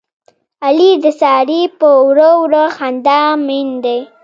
علي د سارې په وړه وړه خندا مین دی.